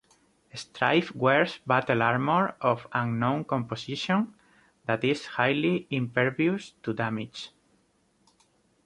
Stryfe wears battle armor of unknown composition that is highly impervious to damage.